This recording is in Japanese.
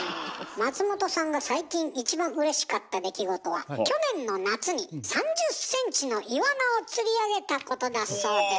松本さんが最近一番うれしかった出来事は去年の夏に３０ｃｍのイワナを釣り上げたことだそうです。